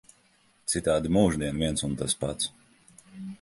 Citādi mūždien viens un tas pats.